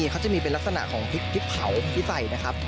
เขาจะมีเป็นลักษณะของพริกเผาที่ใส่นะครับ